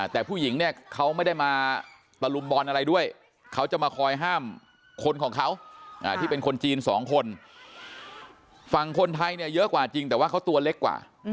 แต่ผู้หญิงเนี่ยเขาไม่ได้มาตะลุมบอลอะไรด้วยเขาจะมาคอยห้ามคนของเขาที่เป็นคนจีนสองคนฝั่งคนไทยเนี่ยเยอะกว่าจริงแต่ว่าเขาตัวเล็กกว่า